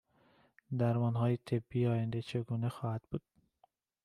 درمانهای طِبی آینده چگونه خواهد بود؟